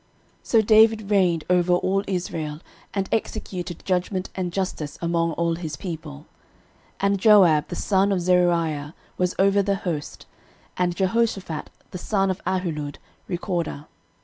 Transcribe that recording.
13:018:014 So David reigned over all Israel, and executed judgment and justice among all his people. 13:018:015 And Joab the son of Zeruiah was over the host; and Jehoshaphat the son of Ahilud, recorder.